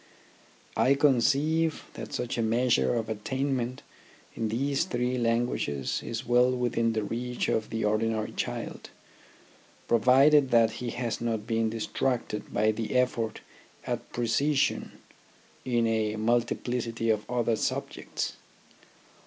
I conceive that such a measure of attainment in these three lan guages is well within the reach of the ordinary child, provided that he has not been distracted by the effort at precision in a multiplicity of other subjects.